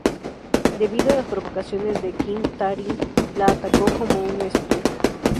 Debido a las provocaciones de Kim, Taryn la atacó con una "Spear".